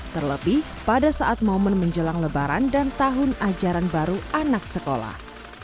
terlebih pada saat momen menjelang lebaran dan tahun ajaran baru anak sekolah